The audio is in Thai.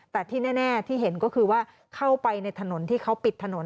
แต่ที่แน่ที่เห็นก็คือว่าเข้าไปในถนนที่เขาปิดถนน